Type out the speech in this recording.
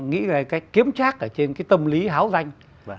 nghĩ ra cái kiếm trác ở trên cái tâm lý háo danh